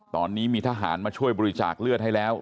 ตอนนี้มีทหารมาช่วยบริจาคเลือดให้แล้ว